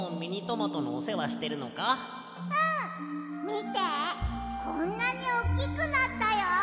みてこんなにおっきくなったよ。